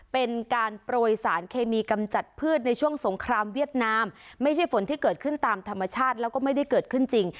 เป็นการโปรยสารเคมีกำจัดพืชในช่วงสงครามเวียดนามไม่ใช่ฝนที่เกิดขึ้นตามธรรมชาติแล้วก็ไม่ได้เกิดขึ้นจริง